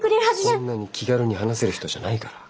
そんなに気軽に話せる人じゃないから。